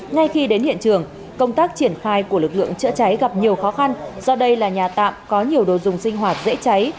ngay khi đến hiện trường công tác triển khai của lực lượng chữa cháy gặp nhiều khó khăn do đây là nhà tạm có nhiều đồ dùng sinh hoạt dễ cháy